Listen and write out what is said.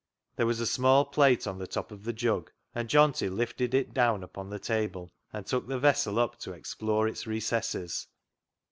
There was a small plate on the top of the jug, and Johnty lifted it down upon the table, and took the vessel up to explore its recesses.